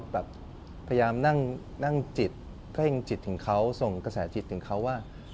แบบพยายามนั่งจิตก็ยังจิตถึงเขาส่งกระแสจิตถึงเขาว่า